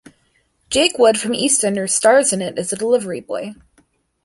Jake Wood from EastEnders stars in it as a delivery boy.